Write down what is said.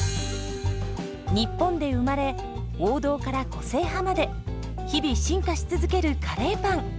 日本で生まれ王道から個性派まで日々進化し続けるカレーパン。